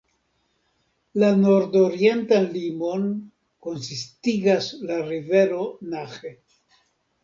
La nordorientan limon konsistigas la rivero Nahe.